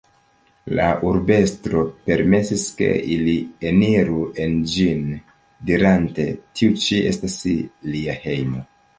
La urbestro permesis ke ili eniru en ĝin dirante "Tiu ĉi estas lia hejmo.